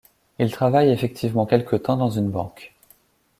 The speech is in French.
Il travaille effectivement quelque temps dans une banque.